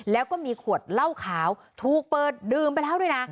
แล้วก็มีขวดเหล้าขาวถูกเปิดดื่มไปแล้วด้วยนะ